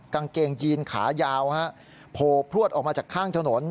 กางเกงยีนขายาวโผล่พลวดออกมาจากข้างถนน